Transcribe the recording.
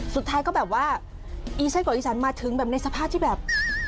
สุดท้ายก็แบบว่าอีไส้กรอกอีสานมาถึงแบบในสภาพที่แบบ